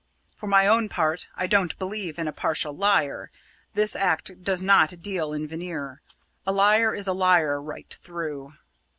For my own part, I don't believe in a partial liar this art does not deal in veneer; a liar is a liar right through.